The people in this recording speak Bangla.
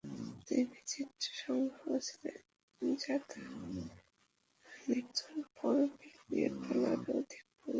তিনি চিত্র সংগ্রাহক ছিলেন যা তার মৃত্যুর পর মিলিয়ন ডলারেরও অধিক মূল্যবান ছিল।